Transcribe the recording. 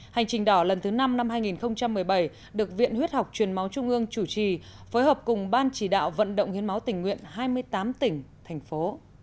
hành trình đỏ lần thứ năm năm hai nghìn một mươi bảy được viện huyết học truyền máu trung ương chủ trì phối hợp cùng ban chỉ đạo vận động hiến máu tình nguyện hai mươi tám tỉnh thành phố